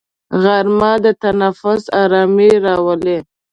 غرمه د تنفس ارامي راولي